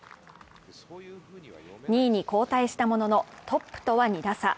２位に交代したもののトップとは２打差。